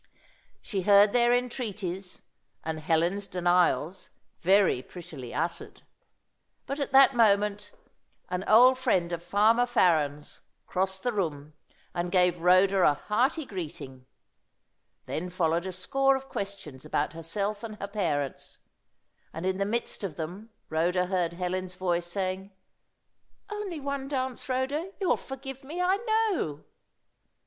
She heard their entreaties, and Helen's denials very prettily uttered. But at that moment an old friend of Farmer Farren's crossed the room, and gave Rhoda a hearty greeting. Then followed a score of questions about herself and her parents, and in the midst of them Rhoda heard Helen's voice saying "Only one dance, Rhoda; you'll forgive me, I know."